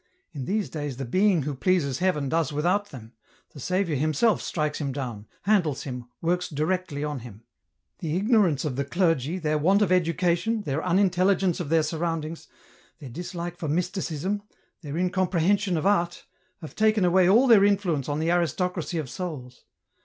In these days the being who pleases Heaven does without them, the Saviour Himself strikes him down, handles him, works directly on him. " The ignorance of the clergy, their want of education, their unintelligence of their surroundings, their dislike for Mysticism, their incomprehension of art, have taken away all their influence on the aristocracy of souls.